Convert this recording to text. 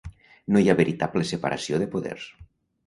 No hi ha veritable separació de poders.